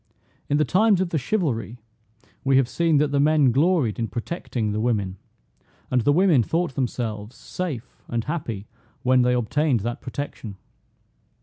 In the times of the chivalry, we have seen that the men gloried in protecting the women, and the women thought themselves safe and happy when they obtained that protection.